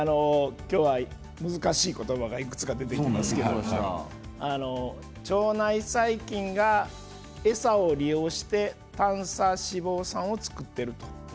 今日は難しい言葉がいくつか出てきますが腸内細菌が餌を利用して短鎖脂肪酸を作っていると。